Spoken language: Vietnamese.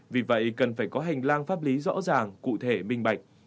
vì vậy cần phải có hành lang pháp lý rõ ràng cụ thể minh bạch